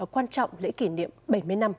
quan trọng lễ kỷ niệm bảy mươi năm